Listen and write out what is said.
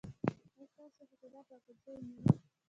ایا ستاسو حاصلات راټول شوي نه دي؟